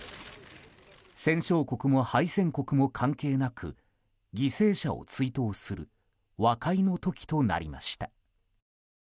戦勝国も敗戦国も関係なく犠牲者を追悼する和解の時となりました。